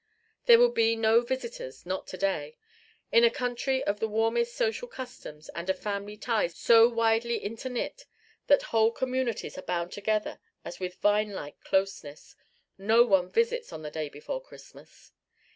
There would be no visitors not to day. In a country of the warmest social customs and of family ties so widely interknit that whole communities are bound together as with vine like closeness, no one visits on the day before Christmas.